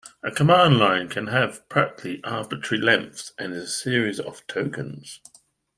A command line can have practically arbitrary length, and is a series of tokens.